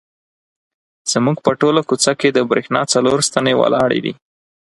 زموږ په ټوله کوڅه کې د برېښنا څلور ستنې ولاړې دي.